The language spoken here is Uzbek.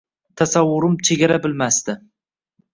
Tasavvurim chegara bilmasdi